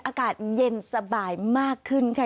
อากาศเย็นสบายมากขึ้นค่ะ